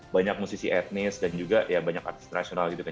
banyak musisi etnis dan juga ya banyak artis nasional gitu kan